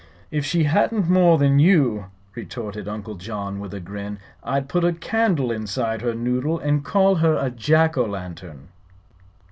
"If she hadn't more than you," retorted Uncle John, with a grin, "I'd put a candle inside her noodle and call her a Jack Lantern."